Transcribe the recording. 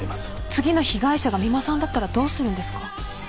次の被害者が三馬さんだったらどうするんですか？